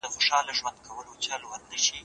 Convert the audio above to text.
تاسو به د خپل ذهن په سمه لاره کي چلیږئ.